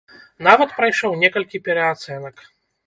Нават прайшоў некалькі пераацэнак.